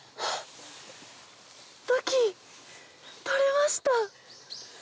土器取れました！